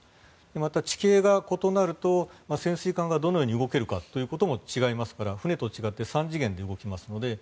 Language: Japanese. また、地形が異なると潜水艦がどのように動けるかということも違いますから、船と違って３次元で動きますので。